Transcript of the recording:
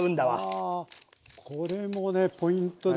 あこれもねポイントだ。